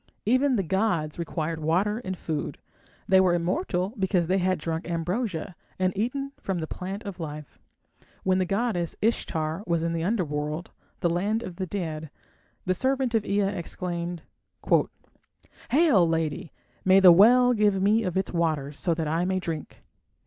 Even the gods required water and food; they were immortal because they had drunk ambrosia and eaten from the plant of life. When the goddess Ishtar was in the Underworld, the land of the dead, the servant of Ea exclaimed "Hail! lady, may the well give me of its waters, so that I may drink."